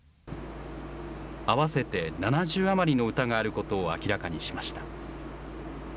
合わせて７０余りの歌があることを明らかにしました。